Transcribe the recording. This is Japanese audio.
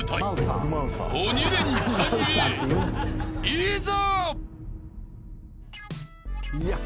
［いざ！］